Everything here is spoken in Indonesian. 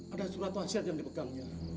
ada surat wasiat yang dipegangnya